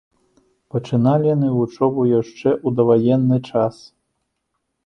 Пачыналі яны вучобу яшчэ ў даваенны час.